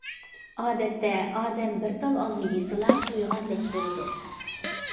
ئادەتتە ئادەم بىر تال ئالما يېسىلا تويغاندەك بولىدۇ.